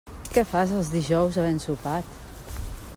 Què fas els dijous havent sopat?